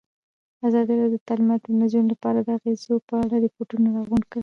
ازادي راډیو د تعلیمات د نجونو لپاره د اغېزو په اړه ریپوټونه راغونډ کړي.